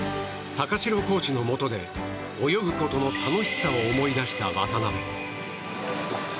高城コーチのもとで泳ぐことの楽しさを思い出した渡辺。